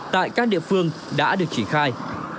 tại các địa phương đã được chỉ khai